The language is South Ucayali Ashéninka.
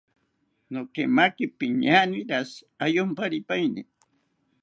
Nokemakiro piñaane rashi ayomparipaeni